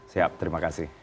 siap terima kasih